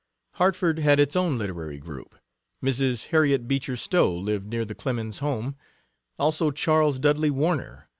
Hartford had its own literary group. Mrs. Harriet Beecher Stowe lived near the Clemens home; also Charles Dudley Warner.